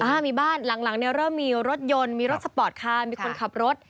อ้าวมีบ้านหลังเริ่มมีรถยนต์มีรถสปอร์ตค้ามีคนขับรถ